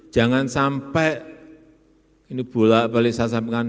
jangan sampai ini bulat pak lestari sampingan